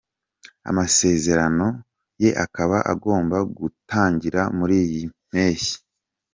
Amasezerano ye akaba agomba gutangira muri iyi mpeshyi iza.